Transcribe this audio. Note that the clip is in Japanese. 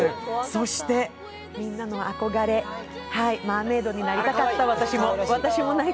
そして、みんなの憧れ、マーメイドになりたかった私も。